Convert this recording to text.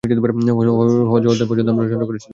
হজ্জ অধ্যায় পর্যন্ত রচনা করেছিলেন।